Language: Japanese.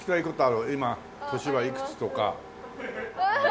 「今年はいくつ？」とか。